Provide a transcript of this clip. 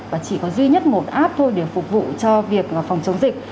và chỉ có duy nhất một app thôi để phục vụ cho việc phòng chống dịch